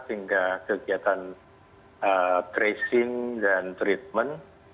sehingga kegiatan tracing dan treatment